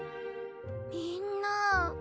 みんな。